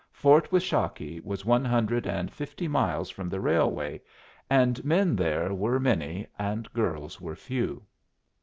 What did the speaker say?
Fort Washakie was one hundred and fifty miles from the railway, and men there were many and girls were few.